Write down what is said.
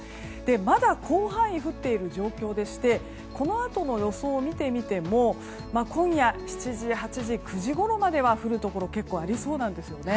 まだ広範囲に降っている状況でしてこのあとの予想を見てみても今夜７時、８時、９時ごろまでは降るところ結構ありそうですね。